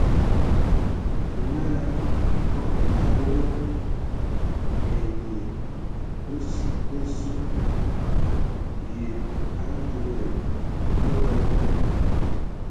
Nala a abɔbɛn ai mye osu ye a ntugəlɛn o a tɔbɔ kɔm.